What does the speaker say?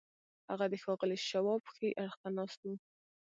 هغه د ښاغلي شواب ښي اړخ ته ناست و.